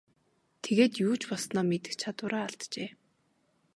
Тэгээд юу ч болсноо мэдэх чадвараа алджээ.